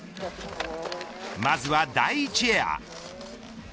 まずは第１エア。